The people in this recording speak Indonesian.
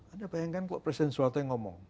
anda bayangkan kalau presiden sualte ngomong